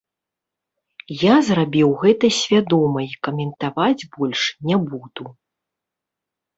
Я зрабіў гэта свядома і каментаваць больш не буду.